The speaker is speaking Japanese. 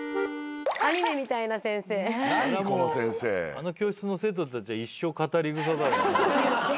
あの教室の生徒たちは一生語り草だよね。